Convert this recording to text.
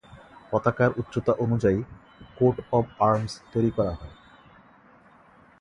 পতাকার উচ্চতা অনুযায়ী কোট অব আর্মস তৈরি করা হয়।